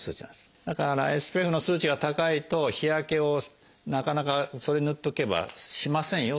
だからＳＰＦの数値が高いと日焼けをなかなかそれ塗っとけばしませんよということですね。